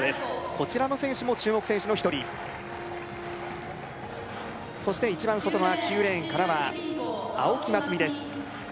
こちらの選手も注目選手の一人そして一番外側９レーンからは青木益未です